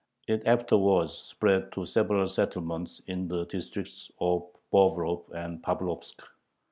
It afterwards spread to several settlements in the districts of Bobrov and Pavlovsk.